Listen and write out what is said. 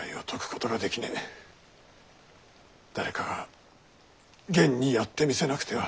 誰かが現にやって見せなくては。